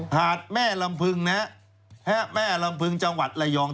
หาดแม่ลำพึงนะฮะแม่ลำพึงจังหวัดระยอง